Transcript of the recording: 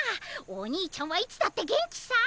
おにいちゃんはいつだって元気さ